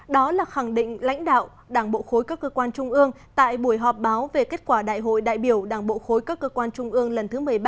đó là khẳng định lãnh đạo đảng bộ khối các cơ quan trung ương tại buổi họp báo về kết quả đại hội đại biểu đảng bộ khối các cơ quan trung ương lần thứ một mươi ba